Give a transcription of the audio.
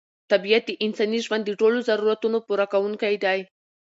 طبیعت د انساني ژوند د ټولو ضرورتونو پوره کوونکی دی.